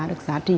được giá trị